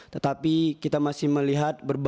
tetapi kita masih melihat